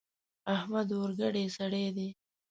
احمد اورګډی سړی دی.